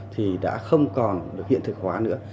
thì đã không còn được hiện thực hóa nữa